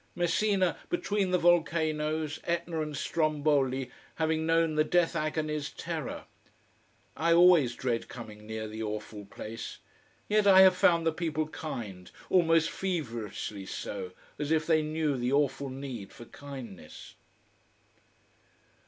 Messina between the volcanoes, Etna and Stromboli, having known the death agony's terror. I always dread coming near the awful place, yet I have found the people kind, almost feverishly so, as if they knew the awful need for kindness.